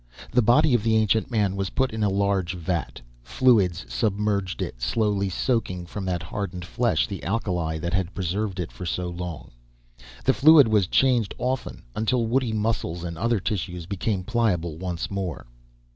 The body of the ancient man was put in a large vat. Fluids submerged it, slowly soaking from that hardened flesh the alkali that had preserved it for so long. The fluid was changed often, until woody muscles and other tissues became pliable once more.